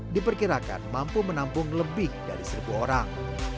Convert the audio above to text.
diperkirakan mampu menampung lebih dari seribu orang